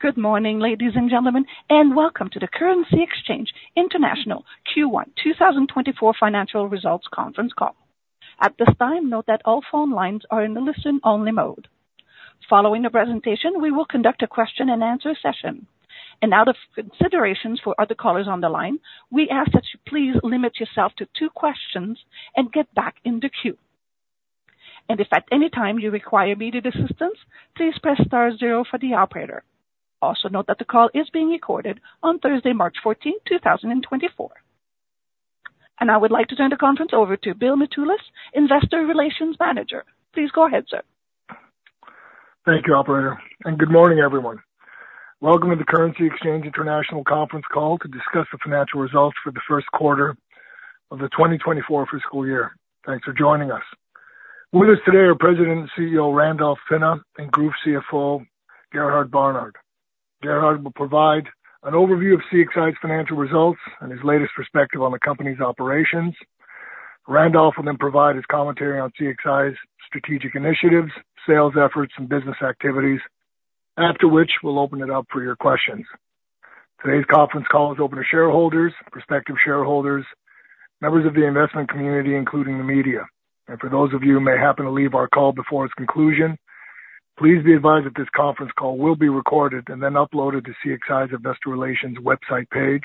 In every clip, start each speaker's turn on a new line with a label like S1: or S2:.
S1: Good morning, ladies and gentlemen, and welcome to the Currency Exchange International Q1 2024 financial results conference call. At this time, note that all phone lines are in a listen-only mode. Following the presentation, we will conduct a question-and-answer session, and out of considerations for other callers on the line, we ask that you please limit yourself to two questions and get back in the queue. If at any time you require immediate assistance, please press star zero for the operator. Also, note that the call is being recorded on Thursday, March fourteenth, two thousand and twenty-four. I would like to turn the conference over to Bill Mitoulas, Investor Relations Manager. Please go ahead, sir.
S2: Thank you, operator, and good morning, everyone. Welcome to the Currency Exchange International conference call to discuss the financial results for the first quarter of the 2024 fiscal year. Thanks for joining us. With us today are President and CEO, Randolph Pinna, and Group CFO, Gerhard Barnard. Gerhard will provide an overview of CXI's financial results and his latest perspective on the company's operations. Randolph will then provide his commentary on CXI's strategic initiatives, sales efforts and business activities. After which, we'll open it up for your questions. Today's conference call is open to shareholders, prospective shareholders, members of the investment community, including the media. And for those of you who may happen to leave our call before its conclusion, please be advised that this conference call will be recorded and then uploaded to CXI's Investor Relations website page,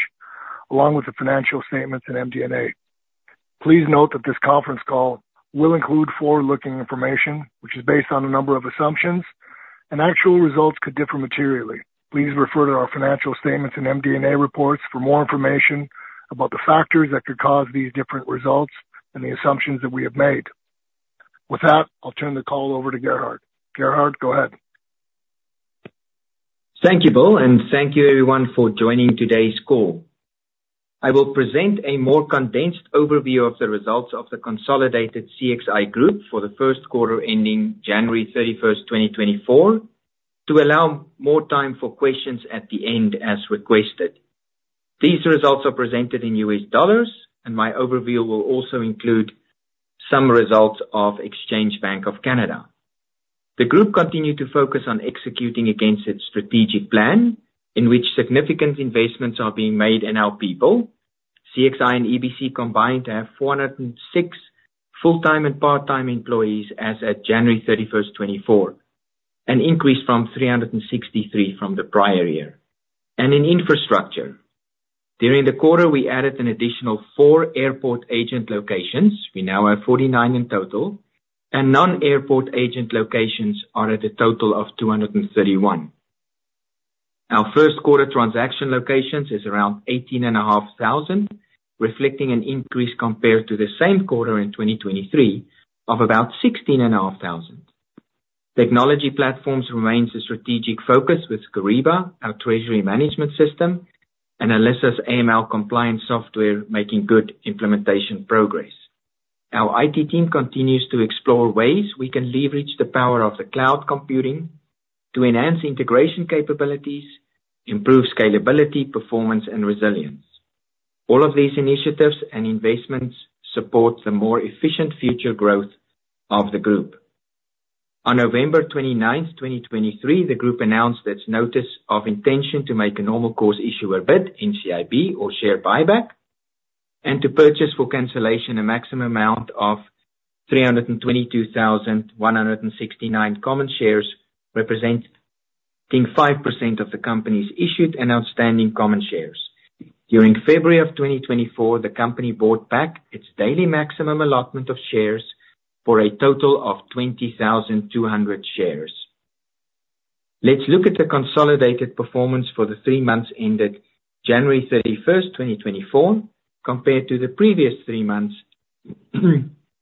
S2: along with the financial statements and MD&A. Please note that this conference call will include forward-looking information, which is based on a number of assumptions, and actual results could differ materially. Please refer to our financial statements and MD&A reports for more information about the factors that could cause these different results and the assumptions that we have made. With that, I'll turn the call over to Gerhard. Gerhard, go ahead.
S3: Thank you, Bill, and thank you everyone for joining today's call. I will present a more condensed overview of the results of the consolidated CXI Group for the first quarter, ending January 31st, 2024, to allow more time for questions at the end, as requested. These results are presented in U.S. dollars, and my overview will also include some results of Exchange Bank of Canada. The group continued to focus on executing against its strategic plan, in which significant investments are being made in our people. CXI and EBC combined to have 406 full-time and part-time employees as at January 31st, 2024, an increase from 363 from the prior year. In infrastructure, during the quarter, we added an additional four airport agent locations. We now have 49 in total, and non-airport agent locations are at a total of 231. Our first quarter transaction locations is around 18,500, reflecting an increase compared to the same quarter in 2023 of about 16,500. Technology platforms remains a strategic focus with Kyriba, our treasury management system, and Alessa's AML compliance software making good implementation progress. Our IT team continues to explore ways we can leverage the power of the cloud computing to enhance integration capabilities, improve scalability, performance, and resilience. All of these initiatives and investments support the more efficient future growth of the group. On November 29th, 2023, the group announced its notice of intention to make a normal course issuer bid, NCIB, share buyback, and to purchase for cancellation a maximum amount of 322,169 common shares, representing 5% of the company's issued and outstanding common shares. During February of 2024, the company bought back its daily maximum allotment of shares for a total of 20,200 shares. Let's look at the consolidated performance for the three months ended January 31st, 2024, compared to the previous three months,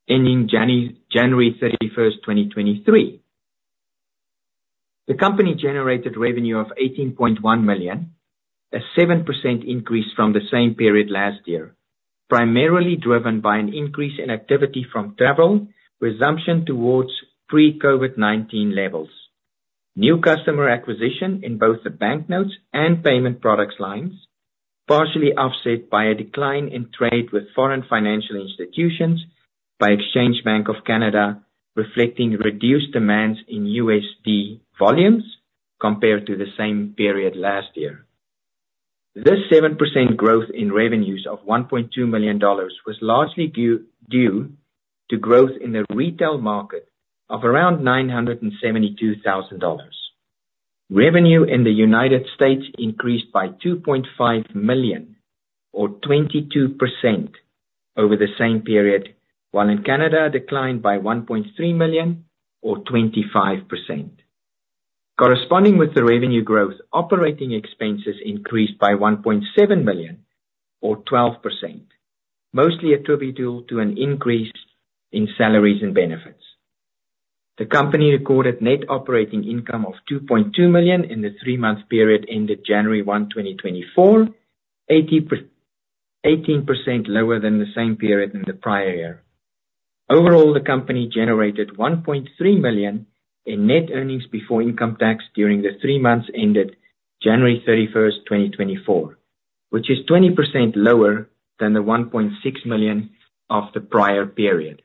S3: ending January 31st, 2023. The company generated revenue of $18.1 million, a 7% increase from the same period last year, primarily driven by an increase in activity from travel, resumption towards pre-COVID-19 levels, new customer acquisition in both the banknotes and payment products lines, partially offset by a decline in trade with foreign financial institutions by Exchange Bank of Canada, reflecting reduced demands in USD volumes compared to the same period last year. This 7% growth in revenues of $1.2 million was largely due to growth in the retail market of around $972,000. Revenue in the United States increased by $2.5 million, or 22% over the same period, while in Canada, it declined by $1.3 million, or 25%. Corresponding with the revenue growth, operating expenses increased by $1.7 million, or 12%, mostly attributable to an increase in salaries and benefits. The company recorded net operating income of $2.2 million in the three-month period ended January 1, 2024, 18% lower than the same period in the prior year. Overall, the company generated $1.3 million in net earnings before income tax during the three months ended January 31st, 2024, which is 20% lower than the $1.6 million of the prior period.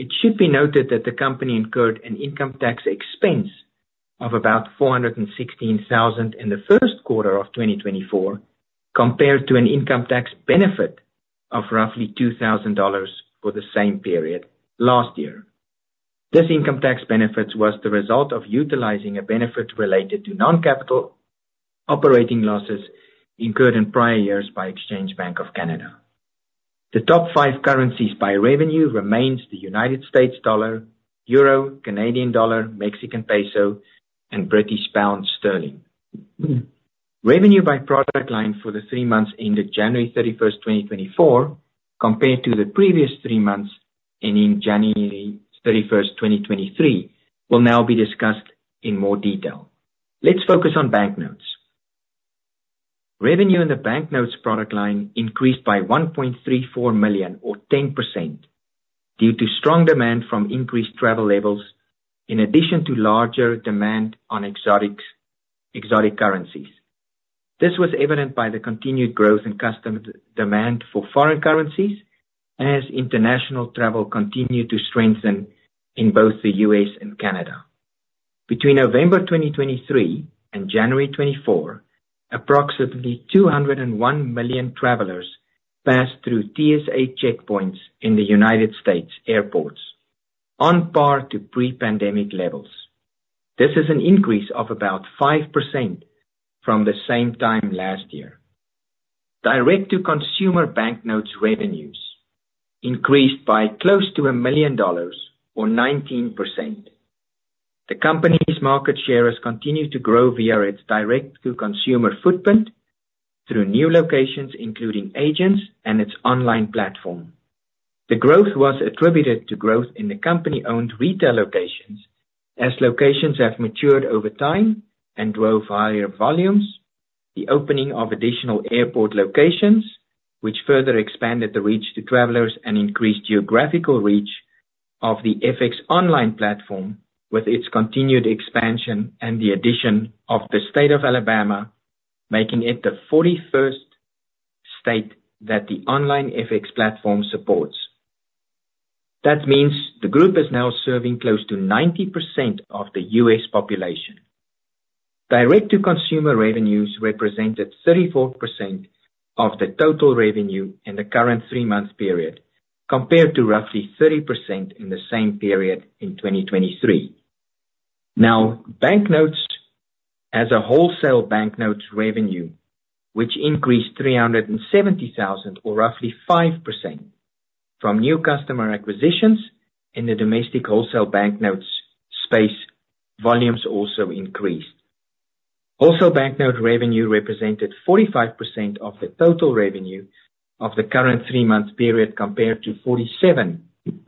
S3: It should be noted that the company incurred an income tax expense of about $416,000 in the first quarter of 2024, compared to an income tax benefit of roughly $2,000 for the same period last year. This income tax benefit was the result of utilizing a benefit related to non-capital operating losses incurred in prior years by Exchange Bank of Canada. The top five currencies by revenue remains the United States dollar, euro, Canadian dollar, Mexican peso, and British pound sterling. Revenue by product line for the three months ended January 31st, 2024, compared to the previous three months, ending January 31st, 2023, will now be discussed in more detail. Let's focus on banknotes. Revenue in the banknotes product line increased by $1.34 million, or 10%, due to strong demand from increased travel levels, in addition to larger demand on exotic currencies. This was evident by the continued growth in customer demand for foreign currencies as international travel continued to strengthen in both the U.S. and Canada. Between November 2023 and January 2024, approximately 201 million travelers passed through TSA checkpoints in the United States airports, on par to pre-pandemic levels. This is an increase of about 5% from the same time last year. Direct-to-consumer banknotes revenues increased by close to $1 million or 19%. The company's market share has continued to grow via its direct-to-consumer footprint through new locations, including agents and its online platform. The growth was attributed to growth in the company-owned retail locations, as locations have matured over time and drove higher volumes, the opening of additional airport locations, which further expanded the reach to travelers and increased geographical reach of the FX online platform, with its continued expansion and the addition of the state of Alabama, making it the 41st state that the online FX platform supports. That means the group is now serving close to 90% of the U.S. population. Direct-to-consumer revenues represented 34% of the total revenue in the current three-month period, compared to roughly 30% in the same period in 2023. Now, banknotes as a wholesale banknotes revenue, which increased $370,000 or roughly 5% from new customer acquisitions in the domestic wholesale banknotes space, volumes also increased. Wholesale banknote revenue represented 45% of the total revenue of the current three-month period, compared to 47%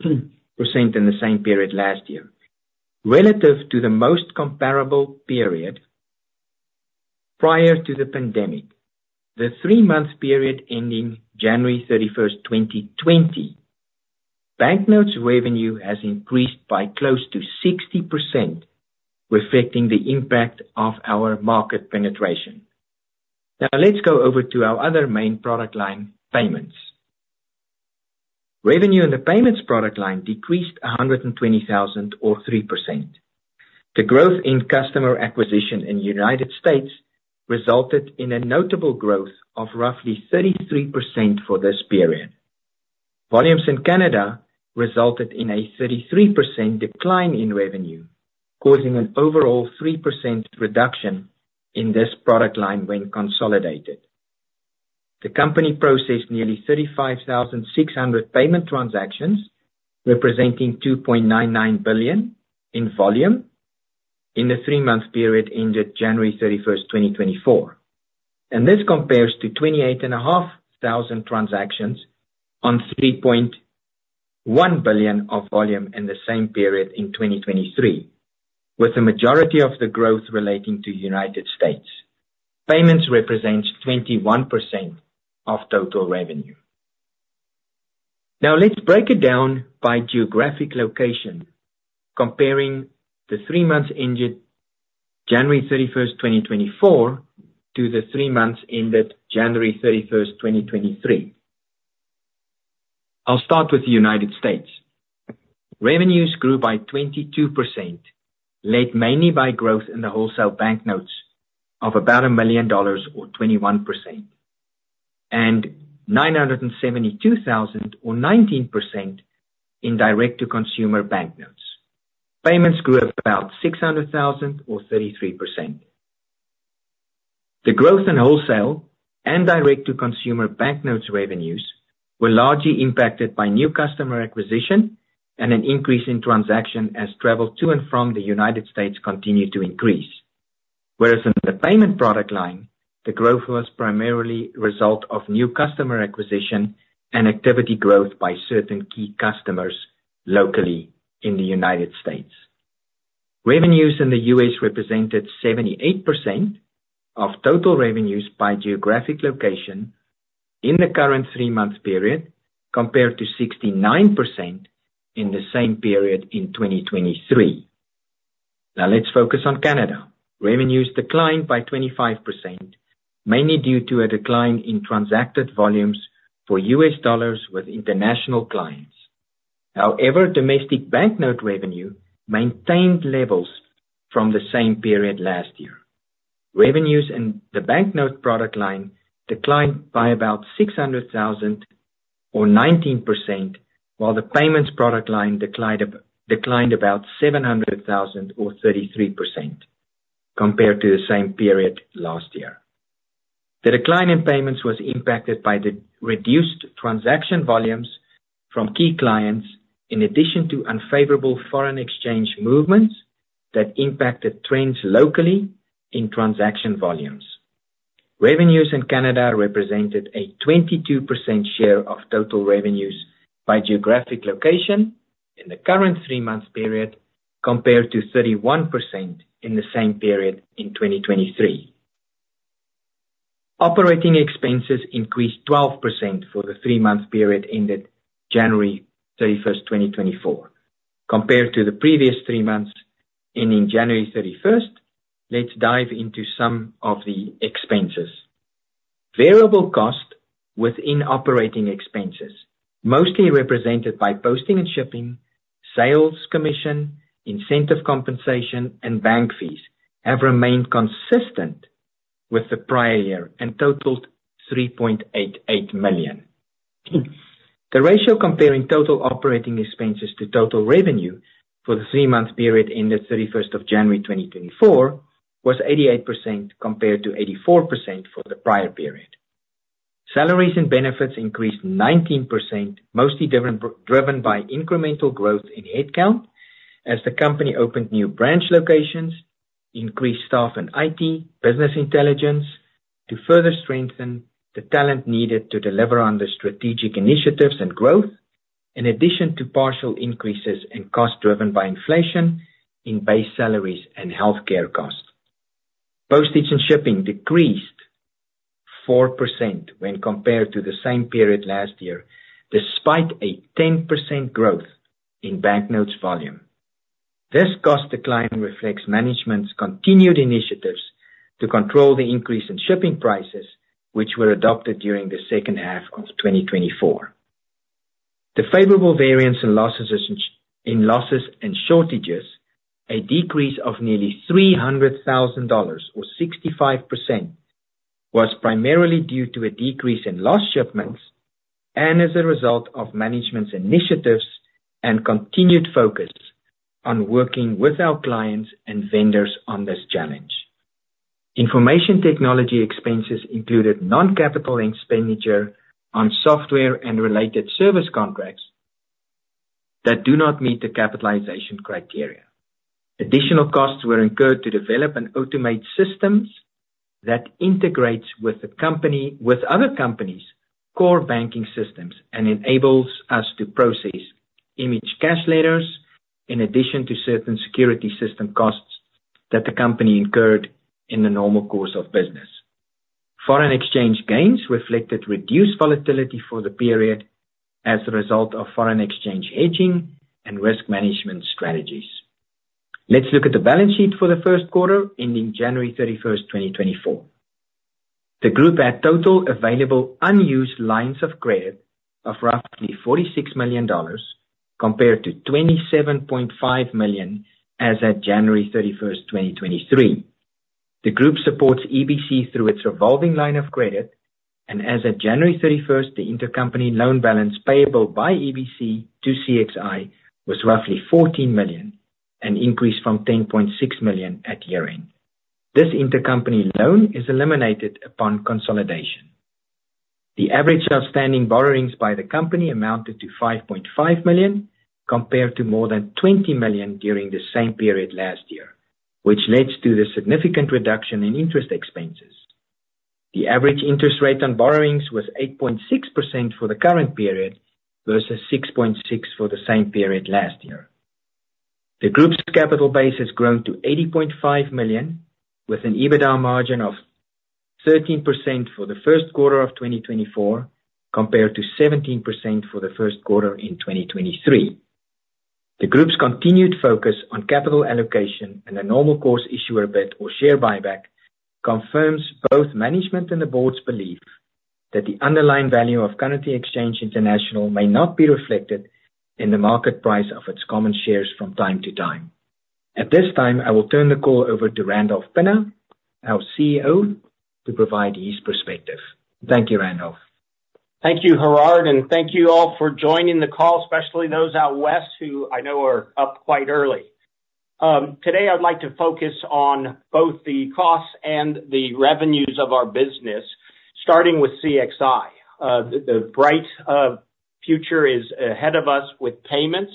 S3: in the same period last year. Relative to the most comparable period prior to the pandemic, the three-month period ending January 31st, 2020, banknotes revenue has increased by close to 60%, reflecting the impact of our market penetration. Now, let's go over to our other main product line, payments. Revenue in the payments product line decreased $120,000 or 3%. The growth in customer acquisition in the United States resulted in a notable growth of roughly 33% for this period. Volumes in Canada resulted in a 33% decline in revenue, causing an overall 3% reduction in this product line when consolidated. The company processed nearly 35,600 payment transactions, representing $2.99 billion in volume in the three-month period ended January 31st, 2024. This compares to 28,500 transactions on $3.1 billion of volume in the same period in 2023, with the majority of the growth relating to United States. Payments represents 21% of total revenue. Now, let's break it down by geographic location, comparing the three months ended January 31st, 2024, to the three months ended January 31st, 2023. I'll start with the United States. Revenues grew by 22%, led mainly by growth in the wholesale banknotes of about $1 million or 21%, and $972,000 or 19% in direct-to-consumer banknotes. Payments grew about $600,000 or 33%. The growth in wholesale and direct-to-consumer banknotes revenues were largely impacted by new customer acquisition and an increase in transaction as travel to and from the United States continued to increase. Whereas in the payment product line, the growth was primarily a result of new customer acquisition and activity growth by certain key customers locally in the United States. Revenues in the U.S. represented 78% of total revenues by geographic location in the current three-month period, compared to 69% in the same period in 2023. Now let's focus on Canada. Revenues declined by 25%, mainly due to a decline in transacted volumes for U.S. dollars with international clients. However, domestic banknote revenue maintained levels from the same period last year. Revenues in the banknote product line declined by about $600,000 or 19%, while the payments product line declined about $700,000 or 33% compared to the same period last year. The decline in payments was impacted by the reduced transaction volumes from key clients, in addition to unfavorable foreign exchange movements that impacted trends locally in transaction volumes. Revenues in Canada represented a 22% share of total revenues by geographic location in the current three-month period, compared to 31% in the same period in 2023. Operating expenses increased 12% for the three-month period ended January 31st, 2024, compared to the previous three months, ending January 31st. Let's dive into some of the expenses. Variable costs within operating expenses, mostly represented by posting and shipping, sales commission, incentive compensation, and bank fees, have remained consistent with the prior year and totaled $3.88 million. The ratio comparing total operating expenses to total revenue for the three-month period ended 31st of January 2024, was 88%, compared to 84% for the prior period. Salaries and benefits increased 19%, mostly driven by incremental growth in headcount as the company opened new branch locations, increased staff in IT, business intelligence, to further strengthen the talent needed to deliver on the strategic initiatives and growth, in addition to partial increases in cost driven by inflation in base salaries and healthcare costs. Postage and shipping decreased 4% when compared to the same period last year, despite a 10% growth in banknotes volume. This cost decline reflects management's continued initiatives to control the increase in shipping prices, which were adopted during the second half of 2024. The favorable variance in losses and shortages, a decrease of nearly $300,000 or 65%, was primarily due to a decrease in lost shipments and as a result of management's initiatives and continued focus on working with our clients and vendors on this challenge. Information technology expenses included non-capital expenditure on software and related service contracts that do not meet the capitalization criteria. Additional costs were incurred to develop and automate systems that integrates with other companies' core banking systems, and enables us to process image cash letters, in addition to certain security system costs that the company incurred in the normal course of business. Foreign exchange gains reflected reduced volatility for the period as a result of foreign exchange hedging and risk management strategies. Let's look at the balance sheet for the first quarter, ending January 31st, 2024. The group had total available unused lines of credit of roughly $46 million, compared to $27.5 million as at January 31st, 2023. The group supports EBC through its revolving line of credit, and as of January 31st, the intercompany loan balance payable by EBC to CXI was roughly $14 million, an increase from $10.6 million at year-end. This intercompany loan is eliminated upon consolidation. The average outstanding borrowings by the company amounted to $5.5 million, compared to more than $20 million during the same period last year, which leads to the significant reduction in interest expenses. The average interest rate on borrowings was 8.6% for the current period, versus 6.6% for the same period last year. The group's capital base has grown to 80.5 million, with an EBITDA margin of 13% for the first quarter of 2024, compared to 17% for the first quarter in 2023. The group's continued focus on capital allocation and a normal course issuer bid or share buyback, confirms both management and the board's belief that the underlying value of Currency Exchange International may not be reflected in the market price of its common shares from time to time. At this time, I will turn the call over to Randolph Pinna, our CEO, to provide his perspective. Thank you, Randolph.
S4: Thank you, Gerhard, and thank you all for joining the call, especially those out west, who I know are up quite early. Today, I'd like to focus on both the costs and the revenues of our business, starting with CXI. The bright future is ahead of us with payments.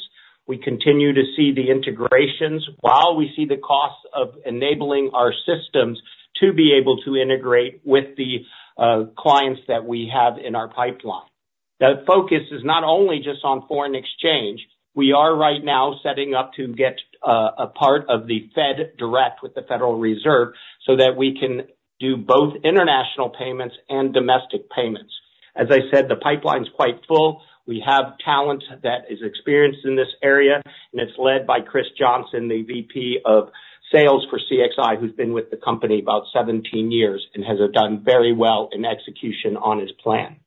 S4: We continue to see the integrations while we see the costs of enabling our systems to be able to integrate with the clients that we have in our pipeline. The focus is not only just on foreign exchange. We are right now setting up to get a part of the FedDirect with the Federal Reserve, so that we can do both international payments and domestic payments. As I said, the pipeline's quite full. We have talent that is experienced in this area, and it's led by Chris Johnson, the VP of sales for CXI, who's been with the company about 17 years and has done very well in execution on his plan.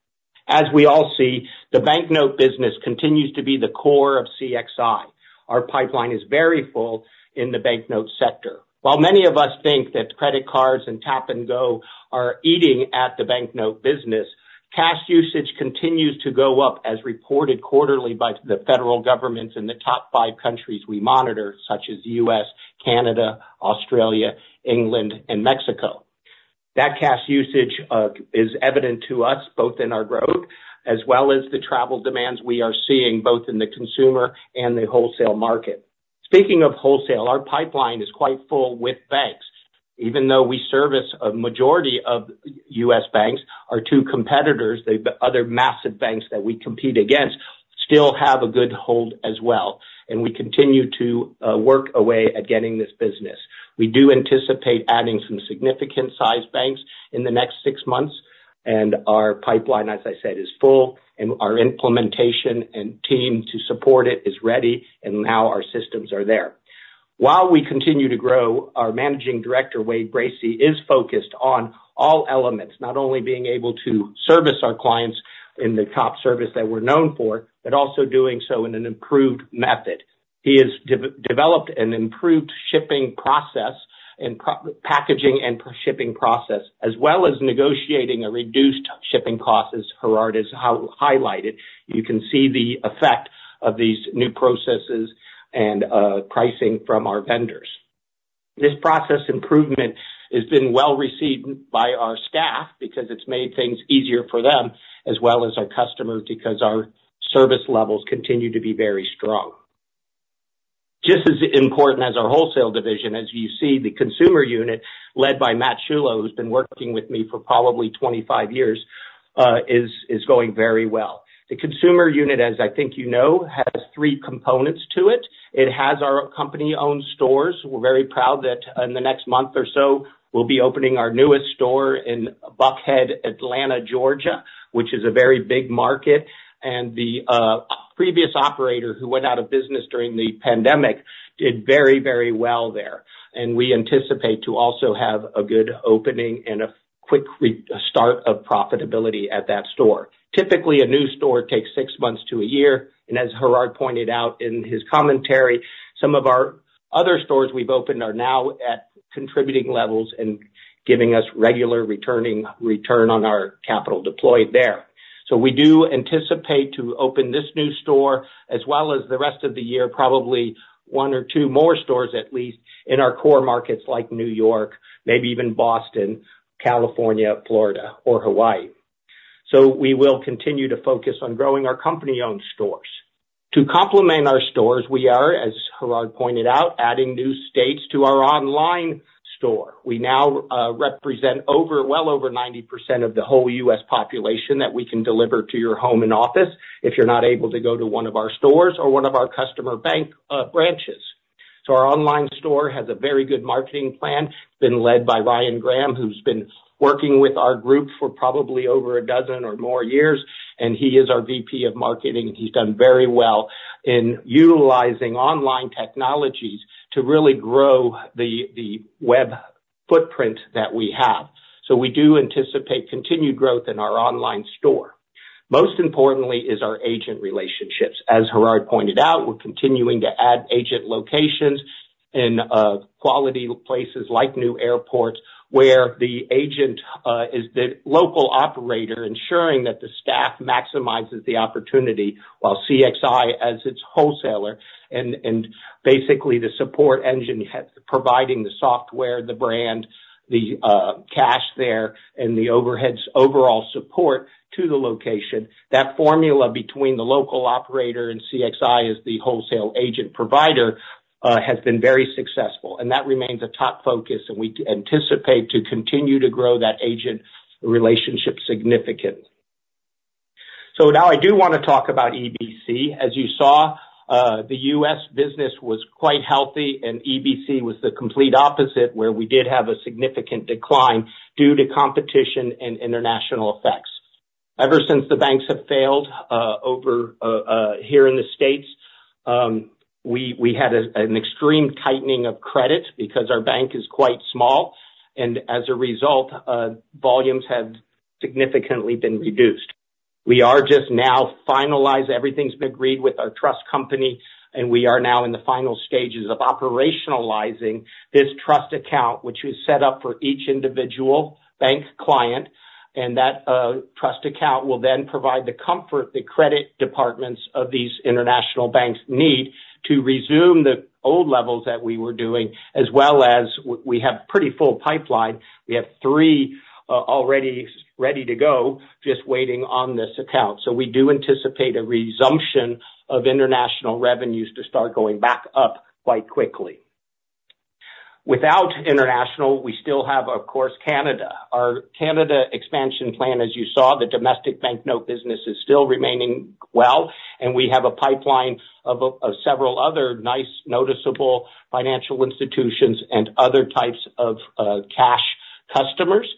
S4: As we all see, the banknote business continues to be the core of CXI. Our pipeline is very full in the banknote sector. While many of us think that credit cards and tap-and-go are eating at the banknote business, cash usage continues to go up, as reported quarterly by the federal governments in the top five countries we monitor, such as U.S., Canada, Australia, England and Mexico. That cash usage is evident to us both in our growth as well as the travel demands we are seeing both in the consumer and the wholesale market. Speaking of wholesale, our pipeline is quite full with banks. Even though we service a majority of U.S. banks, our two competitors, the other massive banks that we compete against, still have a good hold as well, and we continue to work away at getting this business. We do anticipate adding some significant-sized banks in the next six months, and our pipeline, as I said, is full, and our implementation and team to support it is ready, and now our systems are there. While we continue to grow, our Managing Director, Wade Bracey, is focused on all elements, not only being able to service our clients in the top service that we're known for, but also doing so in an improved method. He has developed an improved shipping process and packaging and shipping process, as well as negotiating a reduced shipping cost, as Gerhard has highlighted. You can see the effect of these new processes and pricing from our vendors. This process improvement has been well received by our staff because it's made things easier for them as well as our customers, because our service levels continue to be very strong. Just as important as our wholesale division, as you see, the consumer unit, led by Matthew Schillo, who's been working with me for probably 25 years, is going very well. The consumer unit, as I think you know, has three components to it. It has our company-owned stores. We're very proud that in the next month or so, we'll be opening our newest store in Buckhead, Atlanta, Georgia, which is a very big market. And the previous operator, who went out of business during the pandemic, did very, very well there. And we anticipate to also have a good opening and a quick restart of profitability at that store. Typically, a new store takes six months to a year, and as Gerhard pointed out in his commentary, some of our other stores we've opened are now at contributing levels and giving us regular return on our capital deployed there. So we do anticipate to open this new store as well as the rest of the year, probably one or two more stores, at least, in our core markets like New York, maybe even Boston, California, Florida or Hawaii. So we will continue to focus on growing our company-owned stores. To complement our stores, we are, as Gerhard pointed out, adding new states to our online store. We now represent over, well over 90% of the whole U.S. population that we can deliver to your home and office if you're not able to go to one of our stores or one of our customer bank branches. So our online store has a very good marketing plan, been led by Ryan Graham, who's been working with our group for probably over a dozen or more years, and he is our VP of Marketing. He's done very well in utilizing online technologies to really grow the web footprint that we have. So we do anticipate continued growth in our online store. Most importantly is our agent relationships. As Gerhard pointed out, we're continuing to add agent locations in quality places like new airports, where the agent is the local operator, ensuring that the staff maximizes the opportunity, while CXI, as its wholesaler and basically the support engine, providing the software, the brand, the cash there and the overheads, overall support to the location. That formula between the local operator and CXI as the wholesale agent provider has been very successful, and that remains a top focus, and we anticipate to continue to grow that agent relationship significantly. So now I do want to talk about EBC. As you saw, the U.S. business was quite healthy, and EBC was the complete opposite, where we did have a significant decline due to competition and international effects. Ever since the banks have failed over here in the States, we had an extreme tightening of credit because our bank is quite small, and as a result, volumes have significantly been reduced. We are just now finalized. Everything's been agreed with our trust company, and we are now in the final stages of operationalizing this trust account, which is set up for each individual bank client, and that trust account will then provide the comfort the credit departments of these international banks need to resume the old levels that we were doing, as well as we have pretty full pipeline. We have three already ready to go, just waiting on this account. So we do anticipate a resumption of international revenues to start going back up quite quickly. Without international, we still have, of course, Canada. Our Canada expansion plan, as you saw, the domestic banknote business is still remaining well, and we have a pipeline of several other nice, noticeable financial institutions and other types of cash customers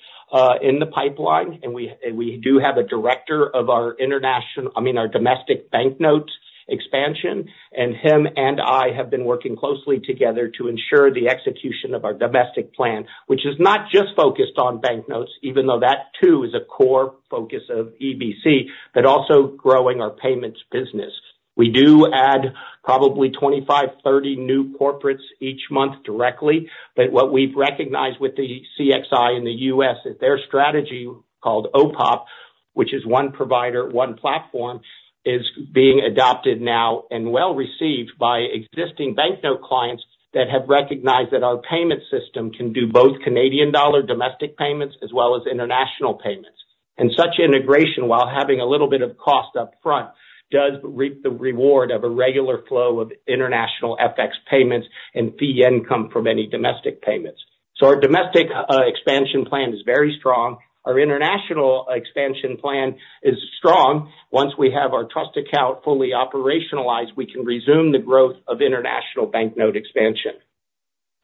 S4: in the pipeline. And we do have a director of our international—I mean, our domestic banknote expansion, and him and I have been working closely together to ensure the execution of our domestic plan, which is not just focused on banknotes, even though that, too, is a core focus of EBC, but also growing our payments business. We do add probably 25, 30 new corporates each month directly, but what we've recognized with the CXI in the U.S. is their strategy, called OPOP, which is one provider, one platform, is being adopted now and well received by existing banknote clients that have recognized that our payment system can do both Canadian dollar domestic payments as well as international payments. And such integration, while having a little bit of cost up front, does reap the reward of a regular flow of international FX payments and fee income from any domestic payments. So our domestic expansion plan is very strong. Our international expansion plan is strong. Once we have our trust account fully operationalized, we can resume the growth of international banknote expansion.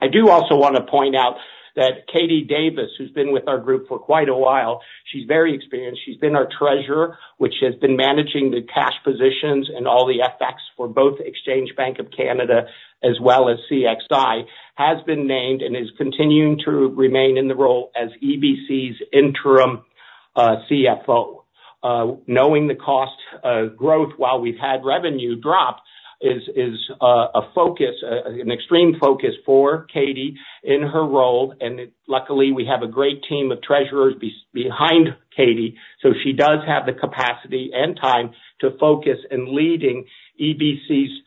S4: I do also wanna point out that Katie Davies, who's been with our group for quite a while, she's very experienced. She's been our treasurer, which has been managing the cash positions and all the FX for both Exchange Bank of Canada as well as CXI, has been named and is continuing to remain in the role as EBC's Interim CFO. Knowing the cost growth while we've had revenue drop is a focus, an extreme focus for Katie in her role, and luckily, we have a great team of treasurers behind Katie, so she does have the capacity and time to focus in leading EBC's,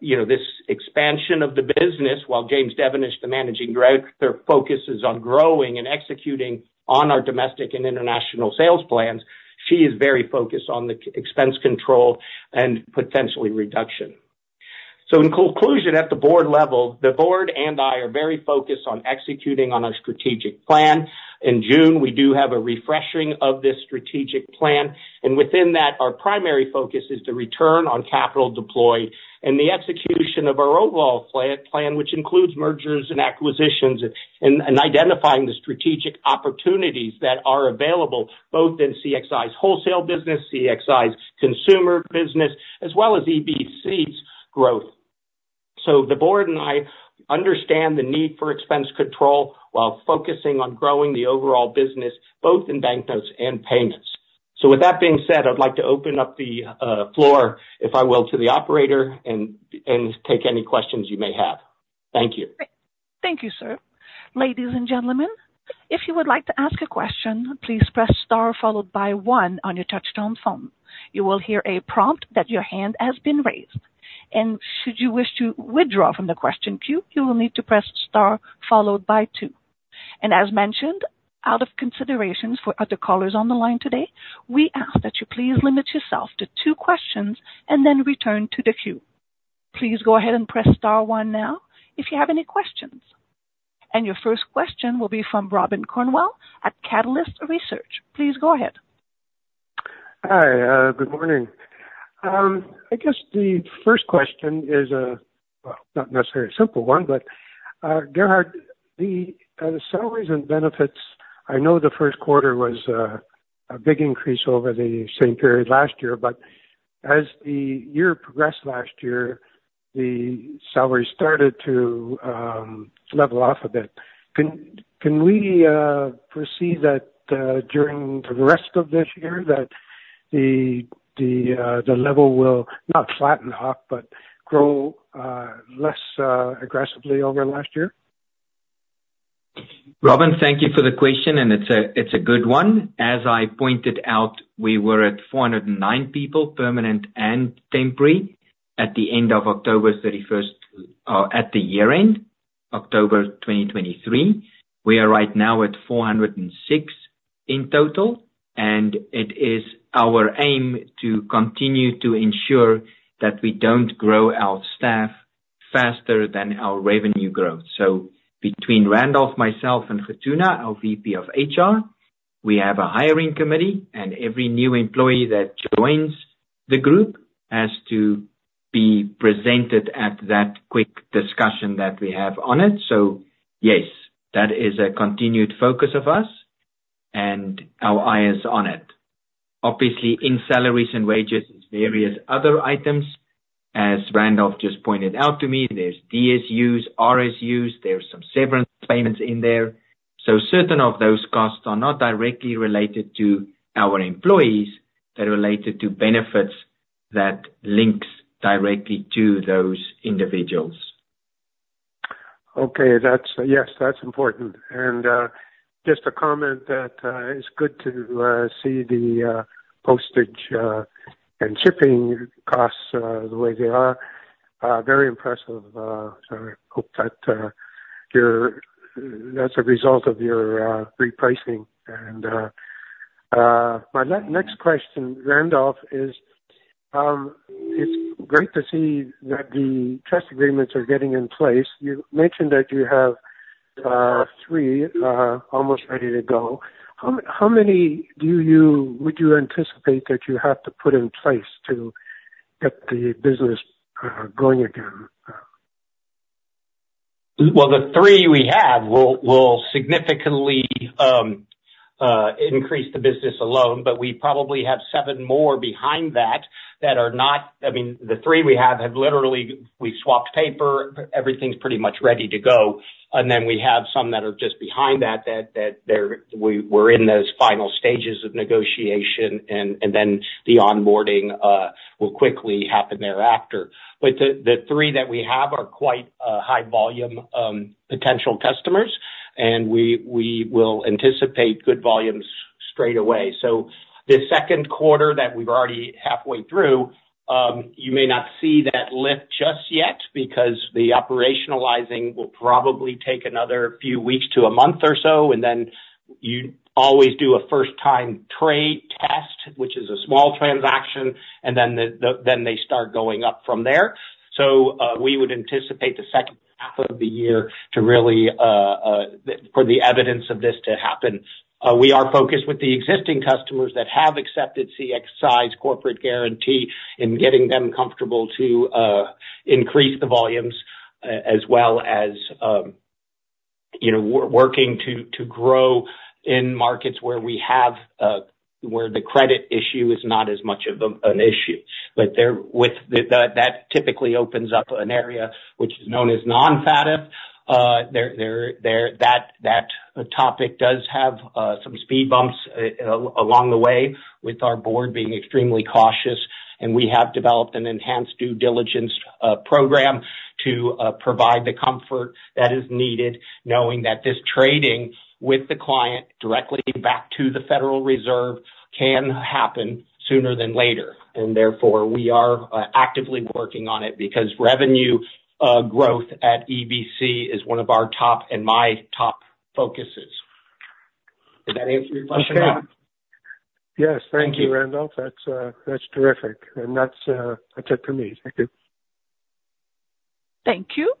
S4: you know, this expansion of the business. While James Devenish, the Managing Director, focuses on growing and executing on our domestic and international sales plans, she is very focused on the expense control and potentially reduction. So in conclusion, at the board level, the Board and I are very focused on executing on our strategic plan. In June, we do have a refreshing of this strategic plan, and within that, our primary focus is to return on capital deployed and the execution of our overall plan, which includes mergers and acquisitions and identifying the strategic opportunities that are available, both in CXI's wholesale business, CXI's consumer business, as well as EBC's growth. So the board and I understand the need for expense control while focusing on growing the overall business, both in banknotes and payments. So with that being said, I'd like to open up the floor, if I will, to the operator, and take any questions you may have. Thank you.
S1: Thank you, sir. Ladies and gentlemen, if you would like to ask a question, please press star followed by one on your touch-tone phone. You will hear a prompt that your hand has been raised, and should you wish to withdraw from the question queue, you will need to press star followed by two. And as mentioned, out of considerations for other callers on the line today, we ask that you please limit yourself to two questions and then return to the queue. Please go ahead and press star one now if you have any questions. And your first question will be from Robin Cornwell at Catalyst Research. Please go ahead.
S5: Hi, good morning. I guess the first question is, well, not necessarily a simple one, but, Gerhard, the salaries and benefits, I know the first quarter was a big increase over the same period last year, but as the year progressed last year, the salary started to level off a bit. Can we foresee that, during the rest of this year, that the level will not flatten off, but grow less aggressively over last year?
S3: Robin, thank you for the question, and it's a, it's a good one. As I pointed out, we were at 409 people, permanent and temporary, at the end of October 31st at the year-end, October 2023. We are right now at 406 in total, and it is our aim to continue to ensure that we don't grow our staff faster than our revenue growth. So between Randolph, myself, and Khatuna, our VP of HR, we have a hiring committee, and every new employee that joins the group has to be presented at that quick discussion that we have on it. So yes, that is a continued focus of us, and our eye is on it. Obviously, in salaries and wages, there's various other items. As Randolph just pointed out to me, there's DSUs, RSUs, there's some severance payments in there. Certain of those costs are not directly related to our employees. They're related to benefits that links directly to those individuals.
S5: Okay, that's, yes, that's important. And just a comment that it's good to see the postage and shipping costs the way they are. Very impressive. So I hope that your-- that's a result of your repricing. And my next question, Randolph, is it's great to see that the trust agreements are getting in place. You mentioned that you have three almost ready to go. How many would you anticipate that you have to put in place to get the business going again?
S4: Well, the three we have will significantly increase the business alone, but we probably have seven more behind that that are not, I mean, the three we have have literally, we've swapped paper, everything's pretty much ready to go. And then we have some that are just behind that, that we're in those final stages of negotiation, and then the onboarding will quickly happen thereafter. But the three that we have are quite high volume potential customers, and we will anticipate good volumes straight away. So the second quarter that we're already halfway through, you may not see that lift just yet, because the operationalizing will probably take another few weeks to a month or so, and then you always do a first time trade test, which is a small transaction, and then they start going up from there. So, we would anticipate the second half of the year to really for the evidence of this to happen. We are focused with the existing customers that have accepted CXI's corporate guarantee in getting them comfortable to increase the volumes, as well as, you know, working to grow in markets where we have where the credit issue is not as much of an issue. But with that, that typically opens up an area which is known as non-FATF. That topic does have some speed bumps along the way, with our board being extremely cautious. And we have developed an enhanced due diligence program to provide the comfort that is needed, knowing that this trading with the client directly back to the Federal Reserve can happen sooner than later. And therefore, we are actively working on it because revenue growth at EBC is one of our top and my top focuses. Did that answer your question, Rob?
S5: Yes.
S4: Thank you.
S5: Thank you, Randolph. That's, that's terrific. And that's, that's it for me. Thank you.
S1: Thank you.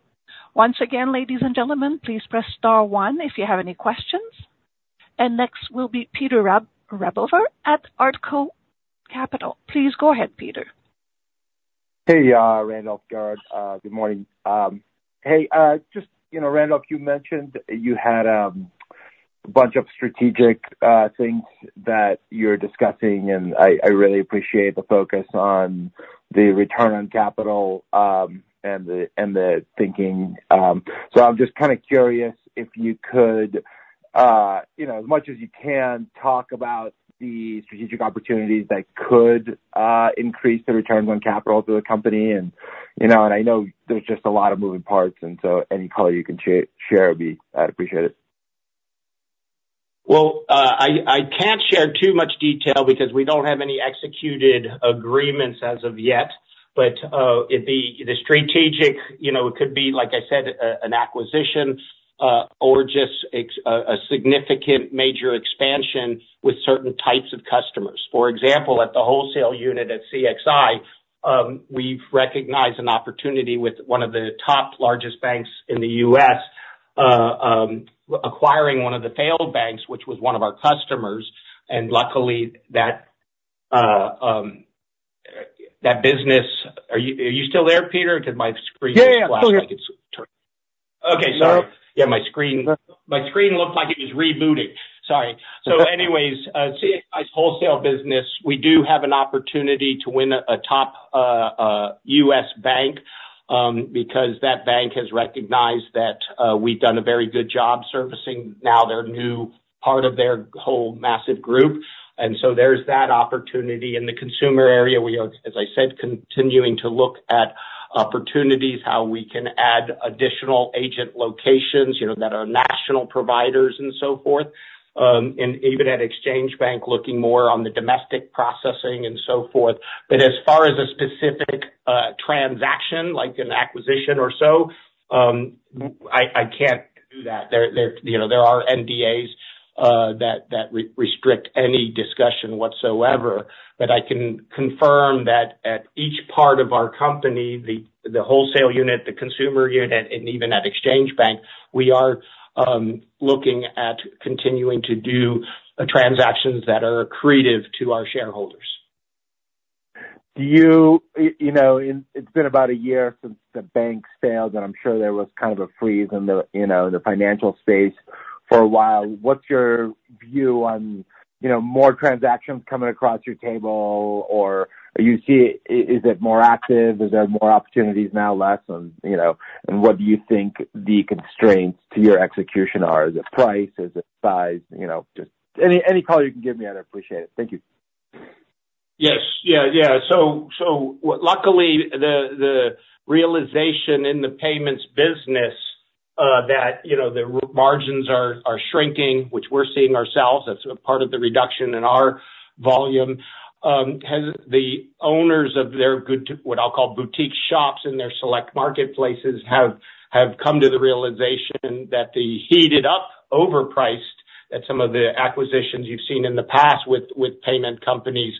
S1: Once again, ladies and gentlemen, please press star one if you have any questions. Next will be Peter Rabover at Artko Capital. Please go ahead, Peter.
S6: Hey, Randolph Pinna, good morning. Hey, just, you know, Randolph, you mentioned you had a bunch of strategic things that you're discussing, and I really appreciate the focus on the return on capital, and the thinking. So I'm just kind of curious if you could, you know, as much as you can, talk about the strategic opportunities that could increase the returns on capital to the company. And, you know, and I know there's just a lot of moving parts, and so any color you can share would be, I'd appreciate it.
S4: Well, I can't share too much detail because we don't have any executed agreements as of yet. But, it'd be the strategic, you know, it could be, like I said, an acquisition, or just a significant major expansion with certain types of customers. For example, at the wholesale unit at CXI, we've recognized an opportunity with one of the top largest banks in the U.S., acquiring one of the failed banks, which was one of our customers, and luckily that business- Are you, are you still there, Peter? Did my screen-
S6: Yeah, yeah, still here.
S4: Okay. Sorry.
S6: No.
S4: Yeah, my screen, my screen looked like it was rebooting. Sorry. So anyways, CXI's wholesale business, we do have an opportunity to win a top U.S. bank, because that bank has recognized that we've done a very good job servicing now their new part of their whole massive group. And so there's that opportunity. In the consumer area, we are, as I said, continuing to look at opportunities, how we can add additional agent locations, you know, that are national providers and so forth. And even at Exchange Bank, looking more on the domestic processing and so forth. But as far as a specific transaction, like an acquisition or so, I can't do that. You know, there are NDAs that restrict any discussion whatsoever. But I can confirm that at each part of our company, the wholesale unit, the consumer unit, and even at Exchange Bank, we are looking at continuing to do transactions that are accretive to our shareholders.
S6: You know, it's been about a year since the bank failed, and I'm sure there was kind of a freeze in the, you know, in the financial space for a while. What's your view on, you know, more transactions coming across your table? Or you see, is it more active? Is there more opportunities now, less on, you know, and what do you think the constraints to your execution are? Is it price? Is it size? You know, just any, any color you can give me, I'd appreciate it. Thank you.
S4: Yes. Yeah, yeah. So luckily, the realization in the payments business that, you know, the margins are shrinking, which we're seeing ourselves as a part of the reduction in our volume, has the owners of their good, what I'll call boutique shops in their select marketplaces, have come to the realization that the heated-up, overpriced at some of the acquisitions you've seen in the past with payment companies,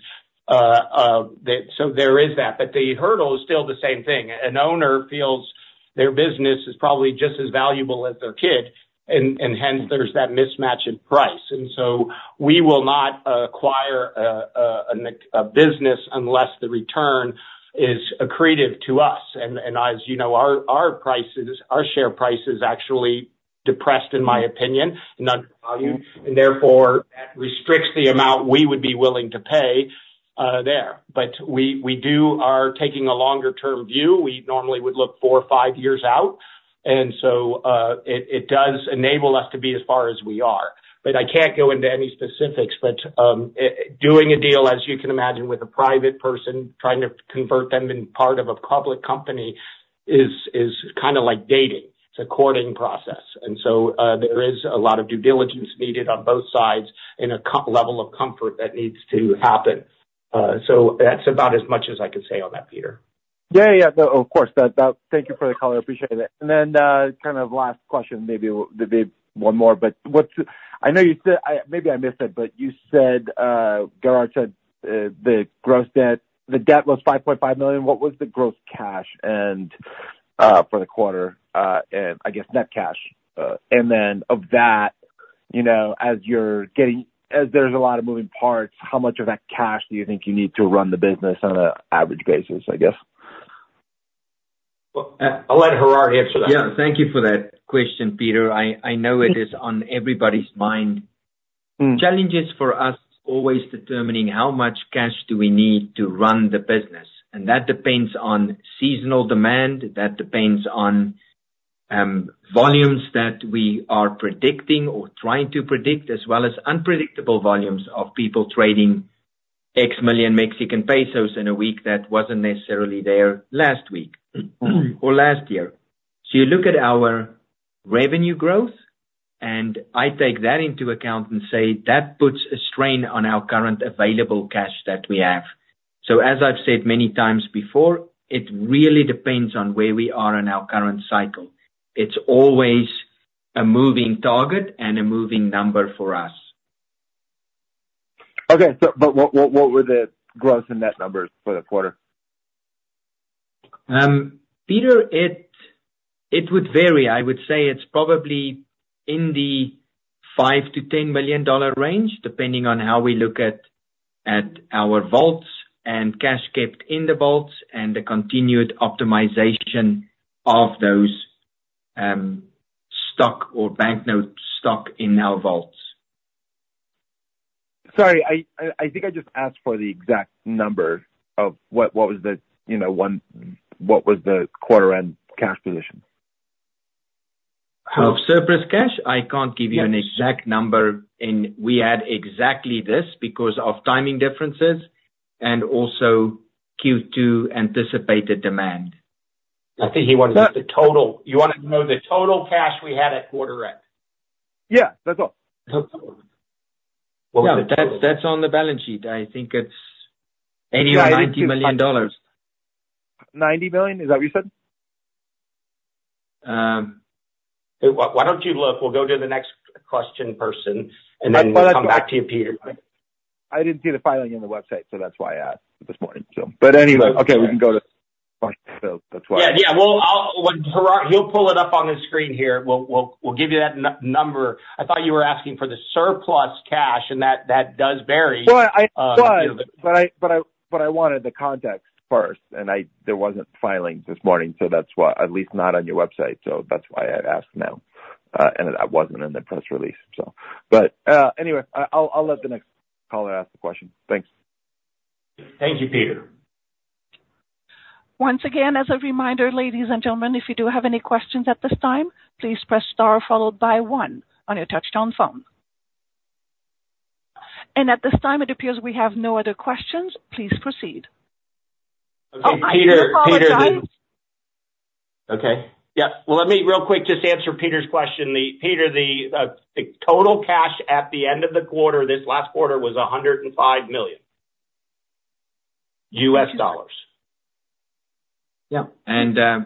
S4: the—so there is that, but the hurdle is still the same thing. An owner feels their business is probably just as valuable as their kid, and hence there's that mismatch in price. And so we will not acquire a business unless the return is accretive to us. As you know, our share price is actually depressed, in my opinion, not valued, and therefore that restricts the amount we would be willing to pay there. But we do take a longer term view. We normally would look four or five years out, and so it does enable us to be as far as we are. But I can't go into any specifics, but doing a deal, as you can imagine, with a private person, trying to convert them into part of a public company, is kind of like dating. It's a courting process. And so there is a lot of due diligence needed on both sides and a comfort level that needs to happen. So that's about as much as I can say on that, Peter.
S6: Yeah, yeah. Of course. Thank you for the call. I appreciate it. And then, kind of last question, maybe there'll be one more, but what's I know you said, maybe I missed it, but you said, Gerhard said, the gross debt, the debt was $5.5 million. What was the gross cash and, for the quarter, and I guess net cash? And then of that, you know, as you're getting as there's a lot of moving parts, how much of that cash do you think you need to run the business on an average basis, I guess?
S4: Well, I'll let Gerhard answer that.
S3: Yeah, thank you for that question, Peter. I know it is on everybody's mind.
S6: Mm.
S3: Challenges for us, always determining how much cash do we need to run the business, and that depends on seasonal demand, that depends on volumes that we are predicting or trying to predict, as well as unpredictable volumes of people trading MXN X million in a week that wasn't necessarily there last week or last year. So you look at our revenue growth, and I take that into account and say that puts a strain on our current available cash that we have. So as I've said many times before, it really depends on where we are in our current cycle. It's always a moving target and a moving number for us.
S6: Okay. So, but what were the gross and net numbers for the quarter?
S3: Peter, it would vary. I would say it's probably in the $5 million-$10 million range, depending on how we look at our vaults and cash kept in the vaults, and the continued optimization of those, stock or banknote stock in our vaults.
S6: Sorry, I think I just asked for the exact number of what was the, you know, quarter end cash position?
S3: Of surplus cash? I can't give you-
S6: Yes...
S3: an exact number, and we had exactly this because of timing differences and also Q2 anticipated demand.
S4: I think he wanted the total. You wanted to know the total cash we had at quarter end?
S6: Yeah, that's all.
S3: Well, that's on the balance sheet. I think it's anywhere $90 million.
S6: $90 million, is that what you said?
S3: Um-
S4: Why, why don't you look? We'll go to the next question person, and then we'll come back to you, Peter.
S6: I didn't see the filing on the website, so that's why I asked this morning. So but anyway, okay, we can go to. That's why.
S4: Yeah, yeah. Well, I'll, when Gerhard, he'll pull it up on the screen here. We'll give you that number. I thought you were asking for the surplus cash, and that does vary.
S6: So I wanted the context first, and I, there wasn't filing this morning, so that's why, at least not on your website, so that's why I asked now. And it wasn't in the press release, so. But anyway, I'll let the next caller ask the question. Thanks.
S4: Thank you, Peter.
S1: Once again, as a reminder, ladies and gentlemen, if you do have any questions at this time, please press star followed by one on your touchtone phone. At this time, it appears we have no other questions. Please proceed.
S4: Okay, Peter, Peter-
S1: I apologize.
S4: Okay. Yeah. Well, let me real quick just answer Peter's question. Peter, the total cash at the end of the quarter, this last quarter, was $105 million.
S3: Yeah,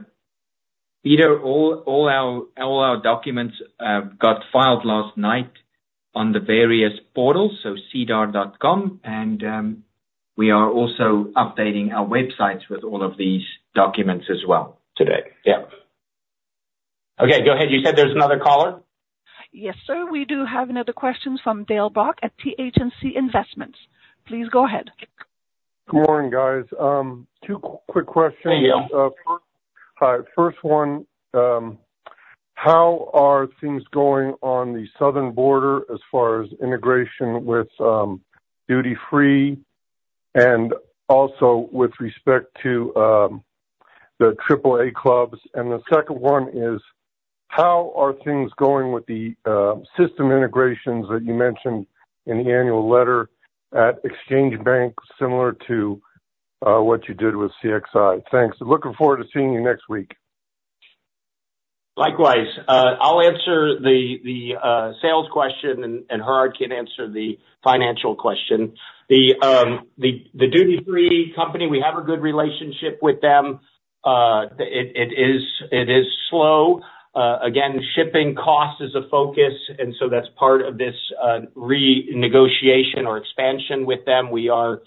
S3: Peter, all our documents got filed last night on the various portals, so SEDAR.com, and we are also updating our websites with all of these documents as well today.
S4: Yeah. Okay, go ahead. You said there's another caller?
S1: Yes, sir, we do have another question from Yale Bock at YH&C Investments. Please go ahead.
S7: Good morning, guys. Two quick questions.
S4: Hey, Yale.
S7: Hi. First one, how are things going on the southern border as far as integration with, duty-free and also with respect to, the AAA clubs? And the second one is, how are things going with the, system integrations that you mentioned in the annual letter at Exchange Bank, similar to, what you did with CXI? Thanks, looking forward to seeing you next week.
S4: Likewise. I'll answer the sales question, and Gerhard can answer the financial question. The duty-free company, we have a good relationship with them. It is slow. Again, shipping cost is a focus, and so that's part of this renegotiation or expansion with them. We are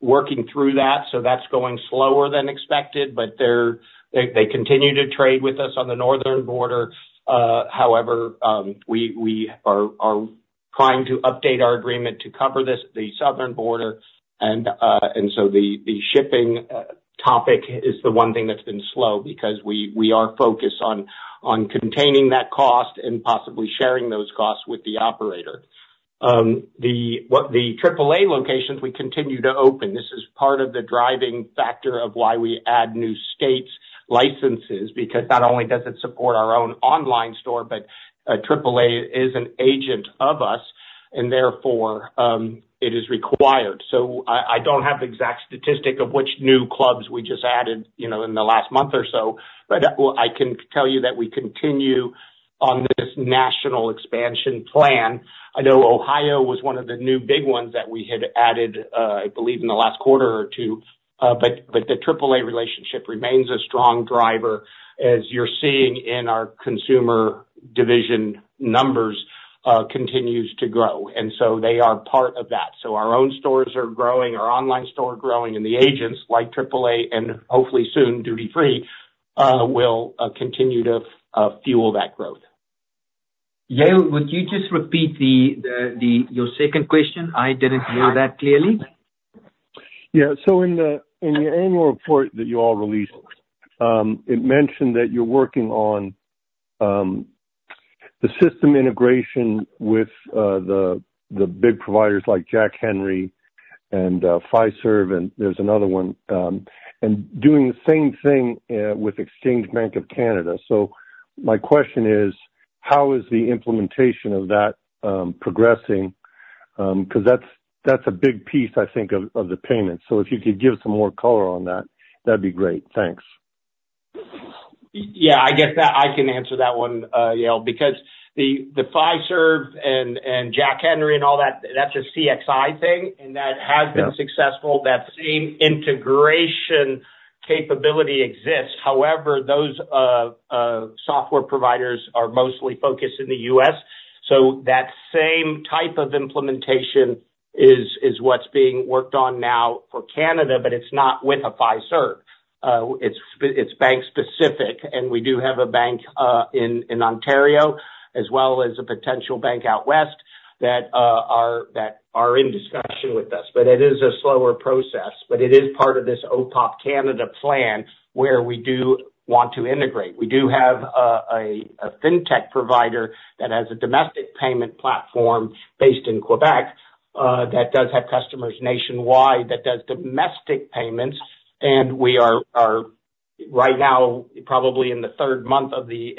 S4: working through that, so that's going slower than expected, but they continue to trade with us on the northern border. However, we are trying to update our agreement to cover the southern border. And so the shipping topic is the one thing that's been slow, because we are focused on containing that cost and possibly sharing those costs with the operator. The AAA locations, we continue to open. This is part of the driving factor of why we add new states licenses, because not only does it support our own online store, but AAA is an agent of us, and therefore it is required. So I don't have the exact statistic of which new clubs we just added, you know, in the last month or so, but well, I can tell you that we continue on this national expansion plan. I know Ohio was one of the new big ones that we had added, I believe in the last quarter or two. But the AAA relationship remains a strong driver, as you're seeing in our consumer division numbers, continues to grow, and so they are part of that. So our own stores are growing, our online store growing, and the agents, like AAA and hopefully soon Duty Free, will continue to fuel that growth.
S3: Yale, would you just repeat your second question? I didn't hear that clearly.
S7: Yeah. So in the annual report that you all released, it mentioned that you're working on the system integration with the big providers like Jack Henry and Fiserv, and there's another one, and doing the same thing with Exchange Bank of Canada. So my question is, how is the implementation of that progressing? Because that's a big piece, I think, of the payment. So if you could give some more color on that, that'd be great. Thanks.
S4: Yeah, I guess that I can answer that one, Yale, because the Fiserv and Jack Henry and all that, that's a CXI thing, and that has been successful. That same integration capability exists. However, those software providers are mostly focused in the U.S., so that same type of implementation is what's being worked on now for Canada, but it's not with a Fiserv. It's bank specific, and we do have a bank in Ontario, as well as a potential bank out west that are in discussion with us. But it is a slower process, but it is part of this OPOP Canada plan, where we do want to integrate. We do have a fintech provider that has a domestic payment platform based in Quebec that does have customers nationwide that does domestic payments, and we are right now probably in the third month of the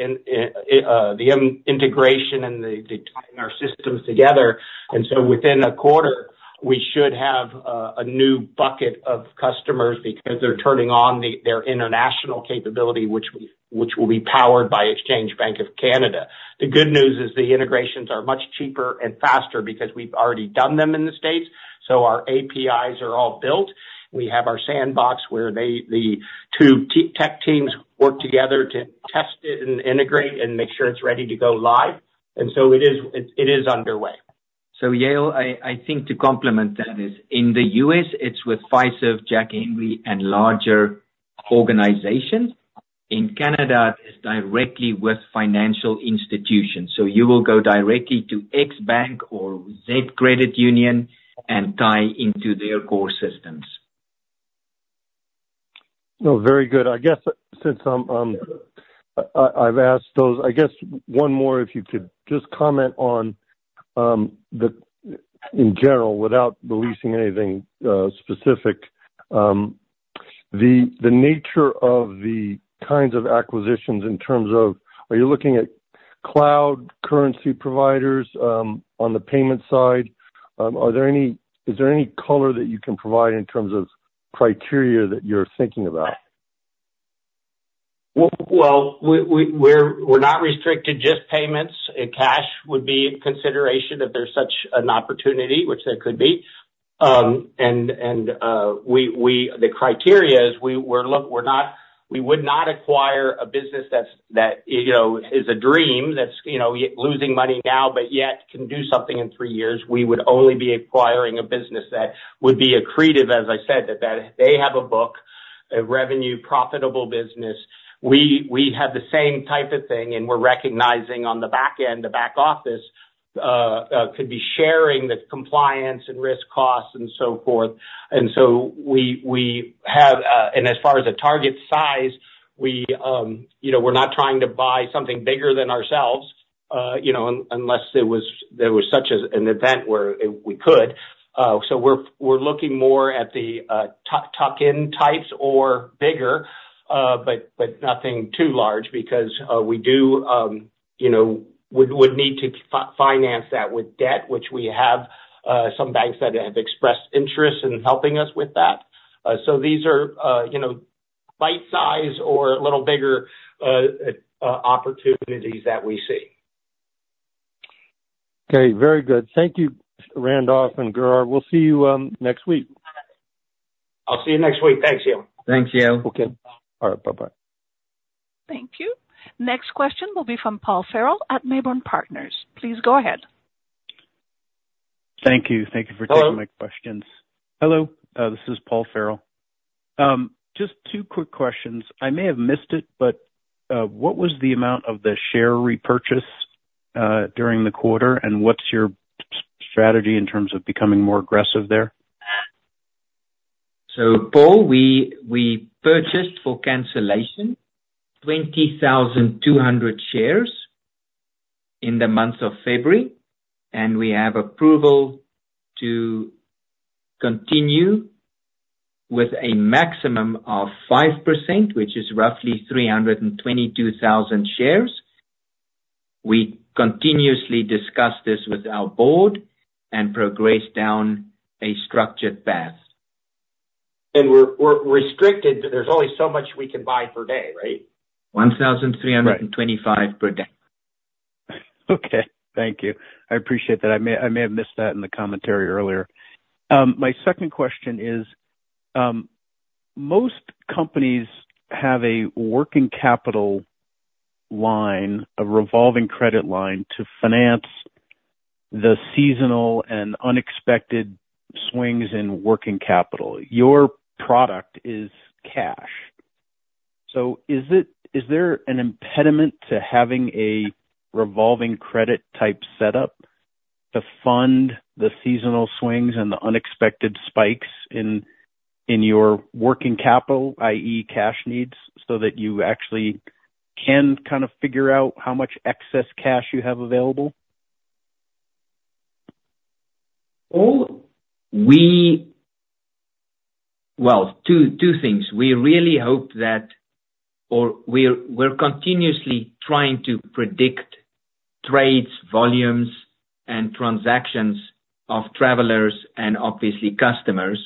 S4: integration and the tying our systems together. And so within a quarter, we should have a new bucket of customers because they're turning on their international capability, which will be powered by Exchange Bank of Canada. The good news is the integrations are much cheaper and faster because we've already done them in the States, so our APIs are all built. We have our sandbox, where the two tech teams work together to test it and integrate and make sure it's ready to go live, and so it is underway.
S3: So yeah, I think to complement that is, in the U.S., it's with Fiserv, Jack Henry, and larger organizations. In Canada, it's directly with financial institutions. So you will go directly to X bank or Z credit union and tie into their core systems.
S7: Oh, very good. I guess since I'm, I've asked those. I guess one more, if you could just comment on, in general, without releasing anything, specific, the nature of the kinds of acquisitions in terms of, are you looking at cloud currency providers, on the payment side? Is there any color that you can provide in terms of criteria that you're thinking about?
S4: Well, we're not restricted, just payments and cash would be a consideration if there's such an opportunity, which there could be. The criteria is we would not acquire a business that's, that, you know, is a dream, that's, you know, losing money now, but yet can do something in three years. We would only be acquiring a business that would be accretive, as I said, that, that they have a book, a revenue, profitable business. We have the same type of thing, and we're recognizing on the back end, the back office, could be sharing the compliance and risk costs and so forth. And so, as far as the target size, you know, we're not trying to buy something bigger than ourselves, you know, unless there was such an event where we could. So we're looking more at the tuck-in types or bigger, but nothing too large, because we would need to finance that with debt, which we have some banks that have expressed interest in helping us with that. So these are, you know, bite size or a little bigger opportunities that we see.
S7: Okay, very good. Thank you, Randolph and Gerhard. We'll see you next week.
S4: I'll see you next week. Thanks, Yale.
S3: Thanks, Yale.
S7: Okay. All right. Bye-bye.
S1: Thank you. Next question will be from Paul Farrell at Mayborn Partners. Please go ahead.
S8: Thank you. Thank you for-
S4: Hello.
S8: Taking my questions. Hello, this is Paul Farrell. Just two quick questions. I may have missed it, but, what was the amount of the share repurchase, during the quarter? And what's your strategy in terms of becoming more aggressive there?
S3: So Paul, we purchased, for cancellation, 20,200 shares in the month of February, and we have approval to continue with a maximum of 5%, which is roughly 322,000 shares. We continuously discuss this with our board and progress down a structured path.
S4: And we're restricted, but there's only so much we can buy per day, right?
S3: 1,325 per day.
S8: Okay. Thank you. I appreciate that. I may, I may have missed that in the commentary earlier. My second question is, most companies have a working capital line, a revolving credit line, to finance the seasonal and unexpected swings in working capital. Your product is cash, so is there an impediment to having a revolving credit type setup to fund the seasonal swings and the unexpected spikes in your working capital, i.e., cash needs, so that you actually can kind of figure out how much excess cash you have available?
S3: Paul, well, two things. We really hope that, or we're continuously trying to predict trades, volumes, and transactions of travelers and obviously customers.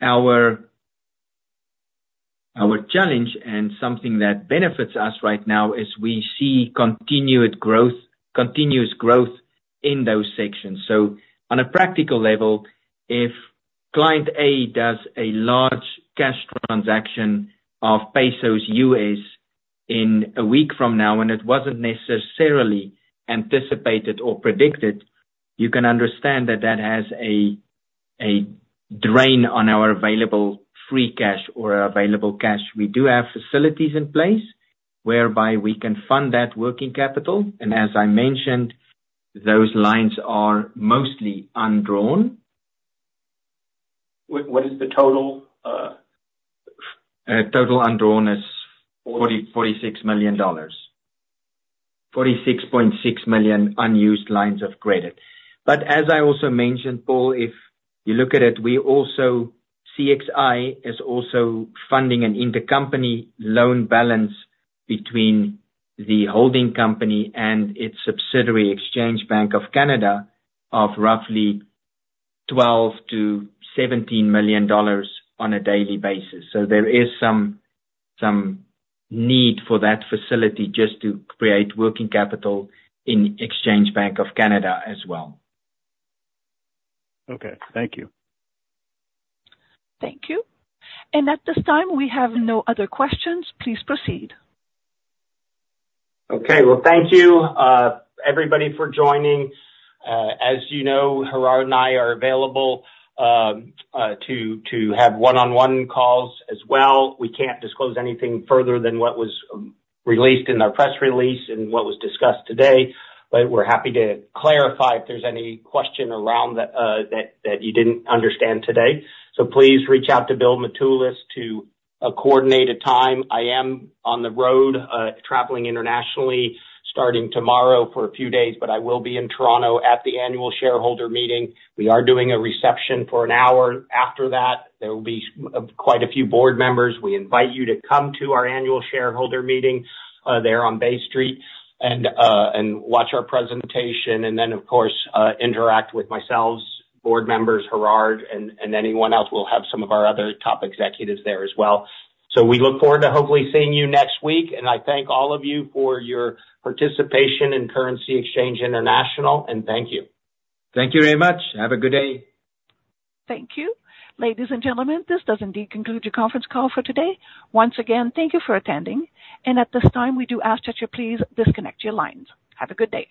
S3: Our challenge and something that benefits us right now is we see continued growth, continuous growth in those sections. So on a practical level, if client A does a large cash transaction of pesos-U.S. in a week from now, and it wasn't necessarily anticipated or predicted, you can understand that that has a drain on our available free cash or available cash. We do have facilities in place whereby we can fund that working capital, and as I mentioned, those lines are mostly undrawn.
S4: What, what is the total?
S3: Total undrawn is $46 million. $46.6 million unused lines of credit. But as I also mentioned, Paul, if you look at it, we also, CXI is also funding an intercompany loan balance between the holding company and its subsidiary, Exchange Bank of Canada, of roughly $12 million-$17 million on a daily basis. So there is some need for that facility just to create working capital in Exchange Bank of Canada as well.
S8: Okay, thank you.
S1: Thank you. At this time, we have no other questions. Please proceed.
S4: Okay. Well, thank you, everybody for joining. As you know, Gerhard and I are available to have one-on-one calls as well. We can't disclose anything further than what was released in our press release and what was discussed today, but we're happy to clarify if there's any question around that you didn't understand today. So please reach out to Bill Mitoulas to coordinate a time. I am on the road, traveling internationally, starting tomorrow for a few days, but I will be in Toronto at the annual shareholder meeting. We are doing a reception for an hour after that. There will be quite a few board members. We invite you to come to our annual shareholder meeting, there on Bay Street and watch our presentation, and then, of course, interact with myself, board members, Gerhard, and anyone else. We'll have some of our other top executives there as well. So we look forward to hopefully seeing you next week, and I thank all of you for your participation in Currency Exchange International, and thank you.
S3: Thank you very much. Have a good day.
S1: Thank you. Ladies and gentlemen, this does indeed conclude your conference call for today. Once again, thank you for attending, and at this time, we do ask that you please disconnect your lines. Have a good day.